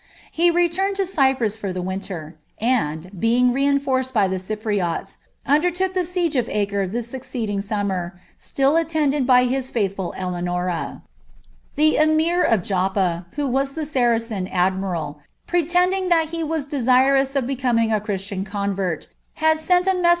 He returned to Cyprus for the winter, and, htjng reinforced by the Cypriots, undetlook the siege of Acre the succeeding ', aumnier, still atienilcd by his faithful Eleanorti. TIh* emir of Joppa, who was the Saracen admiml, pretending that ba was desirous of becoming a Christian convert, had sent a measengCf ' Fonrth ifpon of the recordi, lel'l Tower.